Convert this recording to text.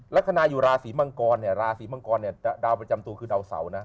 และคณะอยู่ราศรีมังกรราศรีมังกรเนี่ยดาวประจำตัวคือดาวเสาร์นะ